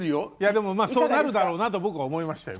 でもまあそうなるだろうなと僕は思いましたよ。